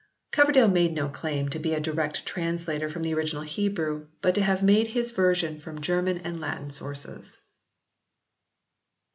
Coverdale made no claim to be a direct translator from the original Hebrew, but to have made his version from German and Latin sources.